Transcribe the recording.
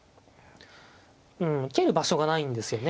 うん受ける場所がないんですよね。